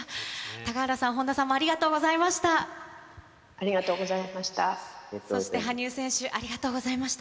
高原さん、本田さんもありがとうございました。